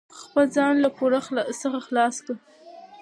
خپل ځان له پور څخه خلاص کړئ.